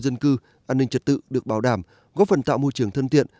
các khu dân cư an ninh trật tự được bảo đảm góp phần tạo môi trường thân tiện